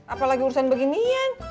apalagi urusan beginian